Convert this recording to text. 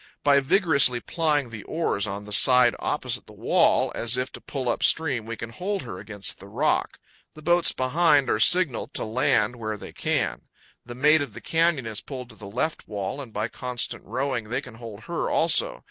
By vigorously plying the oars on the side opposite the wall, as if to pull up stream, we can hold her against the rock. The boats behind are signaled to land where they can. The "Maid of the Canyon" is pulled to the left wall, and, by constant rowing, they can hold her also.